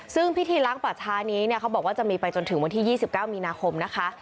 ซึ่งพิธีล้างป่าช้านี้เนี่ยเขาบอกว่าจะมีไปจนถึงวันที่๒๙มีนาคมนะคะ